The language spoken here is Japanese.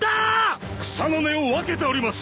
草の根を分けております！